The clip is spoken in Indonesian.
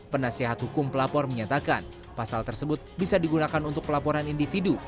penasehat hukum pelapor menyatakan pasal tersebut bisa digunakan untuk pelaporan individu